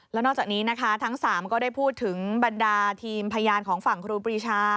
แล้วนอกจากนี้นะคะทั้ง๓ก็ได้พูดถึงบรรดาทีมพยานของฝั่งครูปรีชา